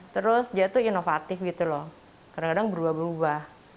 terus dia tuh inovatif gitu loh kadang kadang berubah berubah